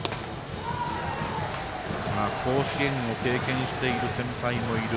甲子園の経験をしている先輩もいる。